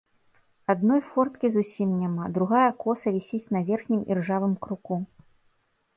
Адной форткі зусім няма, другая коса вісіць на верхнім іржавым круку.